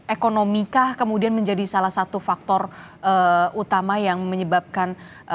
ekonomikah kemudian menjadi salah satu faktor utama yang menyebabkan